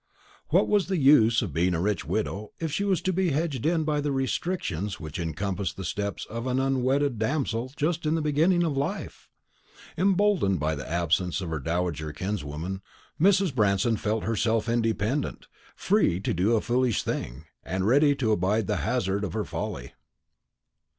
What was the use of being a rich widow, if she was to be hedged in by the restrictions which encompass the steps of an unwedded damsel just beginning life? Emboldened by the absence of her dowager kinswoman, Mrs. Branston felt herself independent, free to do a foolish thing, and ready to abide the hazard of her folly.